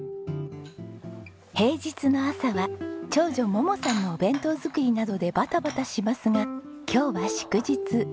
平日の朝は長女桃さんのお弁当作りなどでバタバタしますが今日は祝日。